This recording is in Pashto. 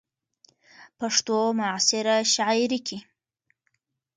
،پښتو معاصره شاعرۍ کې